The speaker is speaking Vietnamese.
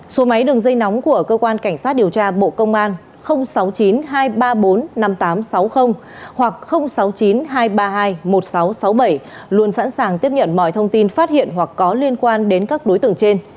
số máy đường dây nóng của cơ quan cảnh sát điều tra bộ công an sáu mươi chín hai trăm ba mươi bốn năm nghìn tám trăm sáu mươi hoặc sáu mươi chín hai trăm ba mươi hai một nghìn sáu trăm sáu mươi bảy luôn sẵn sàng tiếp nhận mọi thông tin phát hiện hoặc có liên quan đến các đối tượng trên